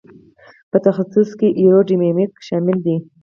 په تخصص کې ایرو ډینامیک شامل دی.